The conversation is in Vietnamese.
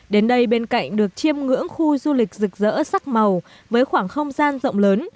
đến đây bên cạnh được chiêm ngưỡng khu du lịch rực rỡ sắc màu với khoảng không gian rộng lớn